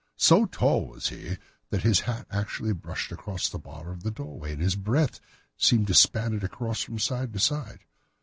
So tall was he that his hat actually brushed the cross bar of the doorway, and his breadth seemed to span it across from side to side.